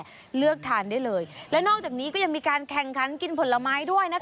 ก็เลือกทานได้เลยและนอกจากนี้ก็ยังมีการแข่งขันกินผลไม้ด้วยนะคะ